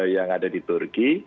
yang ada di turki